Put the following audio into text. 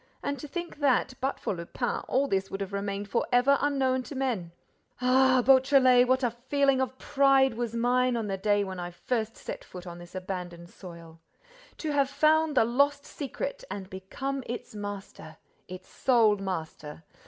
And to think that, but for Lupin, all this would have remained for ever unknown to men! Ah Beautrelet, what a feeling of pride was mine on the day when I first set foot on this abandoned soil. To have found the lost secret and become its master, its sole master!